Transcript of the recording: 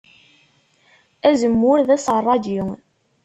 Azemmur d aseṛṛaǧi.